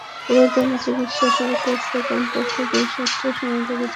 পুরোদমে চিকিৎসা শুরু করতে কমপক্ষে দুই সপ্তাহ সময় লেগে যেতে পারে।